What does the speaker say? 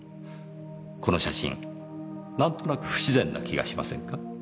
この写真何となく不自然な気がしませんか？